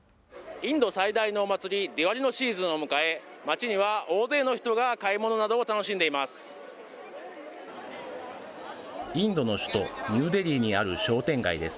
インド最大のお祭り、ディワリのシーズンを迎え、街には大勢の人が買い物などを楽しんでいます。